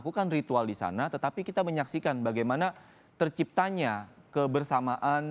bukan ritual di sana tetapi kita menyaksikan bagaimana terciptanya kebersamaan